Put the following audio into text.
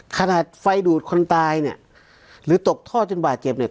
ขนาดไฟดูดคนตายเนี่ยหรือตกท่อจนบาดเจ็บเนี่ย